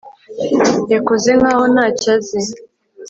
Yakoze nkaho ntacyo azi